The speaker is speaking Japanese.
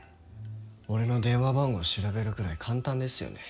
俺の電話番号調べるくらい簡単ですよね。